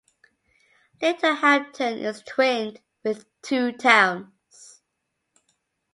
Littlehampton is twinned with two towns.